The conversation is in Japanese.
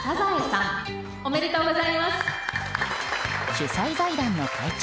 主催財団の会長